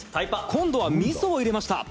今度は味噌を入れました